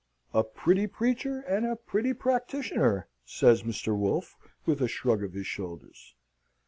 "A pretty preacher, and a pretty practitioner!" says Mr. Wolfe, with a shrug of his shoulders.